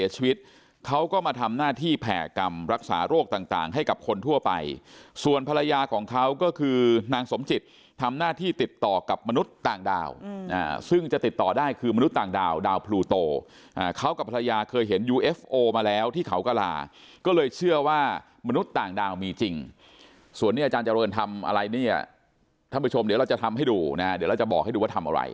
ส่วนนี้อาจารย์เจริญทำอะไรเนี่ยท่านผู้ชมเดี๋ยวเราจะทำให้ดูนะเดี๋ยวเราจะบอกให้ดูว่าทำอะไร